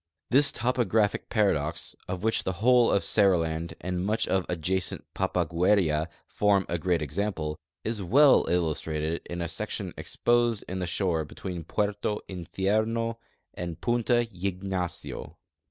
This tojiographic paradox, of which the wh(fie of Seriland and much of adjacent Pa))agueria form a great example, is well illustrated in a section exposed in the shore between Puerta Iidiermj and Punta Ygnacio.